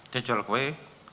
dia jual kue